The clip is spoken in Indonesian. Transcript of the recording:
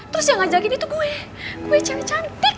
terus yang ngajakin itu gue gue cewek cantik